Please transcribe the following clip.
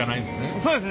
そうですね